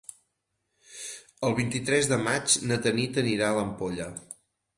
El vint-i-tres de maig na Tanit anirà a l'Ampolla.